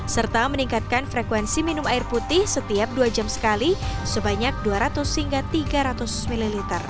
serta meningkatkan frekuensi minum air putih setiap dua jam sekali sebanyak dua ratus hingga tiga ratus ml